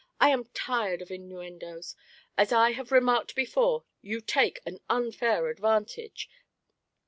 I am tired of innuendoes. As I have remarked before, you take an unfair advantage.